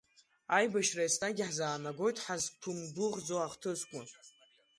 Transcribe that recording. Аибашьра еснагь иаҳзаанагоит ҳазқәымгәыӷӡо ахҭысқәа.